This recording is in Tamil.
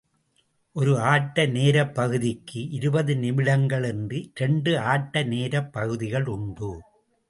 ஒரு ஆட்ட நேரப்பகுதிக்கு இருபது நிமிடங்கள் என்று இரண்டு ஆட்ட நேரப்பகுதிகள் உண்டு.